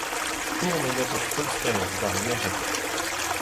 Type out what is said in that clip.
Stourm enep ar feulster ouzh ar merc'hed.